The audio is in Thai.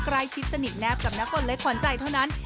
ใกล้ชิดสนิทแนบกับนักคนเล็กขวัญใจเท่านั้น